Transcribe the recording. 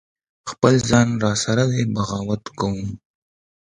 خپل ځان را سره دی بغاوت کوم